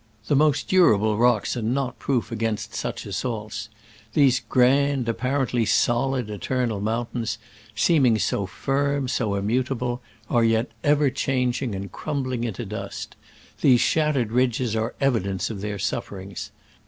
The most durable rocks are not proof against such assaults. These grand, apparent ly solid, eternal mountains, seeming so firm, so immutable, are yet ever chang ing and crumbling into dust. These shattered ridges are evidence of their suf ferings.